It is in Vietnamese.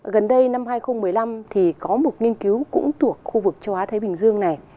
gần đây năm hai nghìn một mươi năm thì có một nghiên cứu cũng thuộc khu vực châu á thái bình dương này